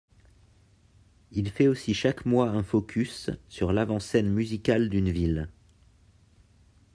Il fait aussi chaque mois un focus sur l'avant scène musicale d'une ville.